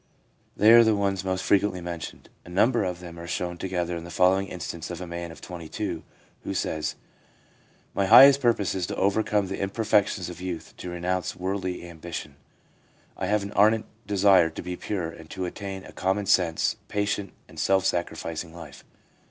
They are the ones most frequently mentioned. A number of them are shown together in the following instance of a man of 22, who says: * My highest purpose is to overcome the imper fections of youth, to renounce worldly ambition. I have an ardent desire to be pure, and to attain a common sense, patient and self sacrificing life.